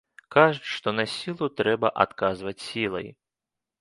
Кажуць, што на сілу трэба адказваць сілай.